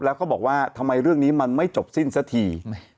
แล้วก็บอกว่าทำไมเรื่องนี้มันไม่จบสิ้นสักที